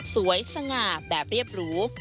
สง่าแบบเรียบหรู